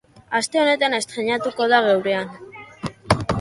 Aste honetan estreinatuko da geurean.